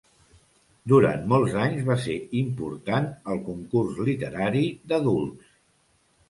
Durant molts anys va ser important el Concurs literari d'adults.